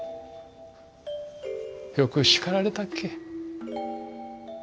よく叱られたっけ。